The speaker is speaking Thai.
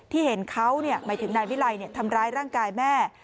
เห็นเขาหมายถึงนายวิไลทำร้ายร่างกายแม่